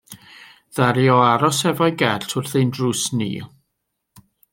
Ddaru o aros efo'i gert wrth ein drws ni.